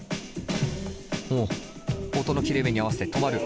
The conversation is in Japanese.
音の切れ目に合わせて止まる。